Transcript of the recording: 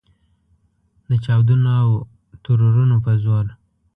د چاودنو او ترورونو په زور.